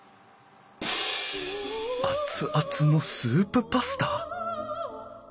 熱々のスープパスタ！？